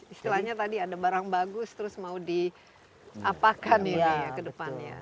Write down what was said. istilahnya tadi ada barang bagus terus mau diapakan ini ya ke depannya